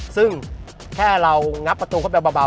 ซึ่งแค่เรางับประตูเข้าไปเบา